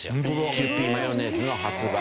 キユーピーマヨネーズの発売。